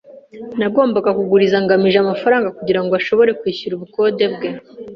Nagombaga kuguriza ngamije amafaranga kugirango ashobore kwishyura ubukode bwe.